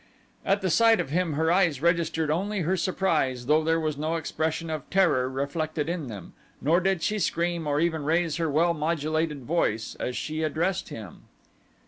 At sight of him her eyes registered only her surprise though there was no expression of terror reflected in them, nor did she scream or even raise her well modulated voice as she addressed him.